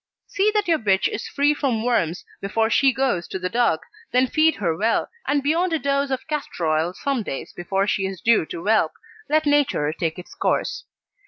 See that your bitch is free from worms before she goes to the dog, then feed her well, and beyond a dose of castor oil some days before she is due to whelp, let Nature take its course.